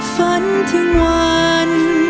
ฝันถึงวัน